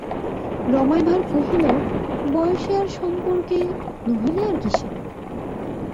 রমাই ভাঁড় কহিল, বয়সে আর সম্পর্কে, নহিলে আর কিসে?